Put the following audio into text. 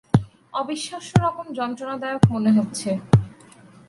অবিশ্বাস্যরকম যন্ত্রণাদায়ক মনে হচ্ছে।